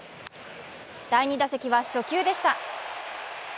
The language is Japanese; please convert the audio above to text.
第２打席は初球でした。